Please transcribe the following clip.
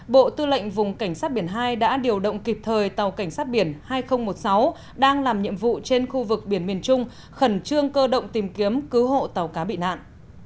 bộ tư lệnh vùng cảnh sát biển hai đã điều động kịp thời tàu cảnh sát biển hai nghìn một mươi sáu đang làm nhiệm vụ trên khu vực biển miền trung khẩn trương cơ động tìm kiếm cứu hộ tàu cá bị nạn